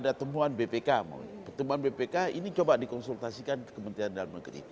nah jadi pada saat ada temuan bpk temuan bpk ini coba dikonsultasikan ke kementerian dalam negeri